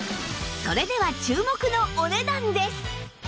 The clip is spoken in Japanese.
それでは注目のお値段です！